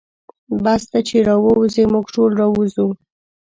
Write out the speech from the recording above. بس ته چې راووځې موږ ټول راوځو.